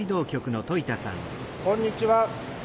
こんにちは。